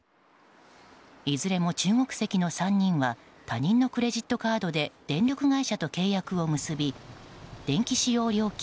いずれも中国籍の３人は他人のクレジットカードで電力会社と契約を結び電気使用料金